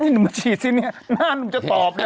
หนุ่มมาฉีดสินี่หน้าหนุ่มจะตอบนะ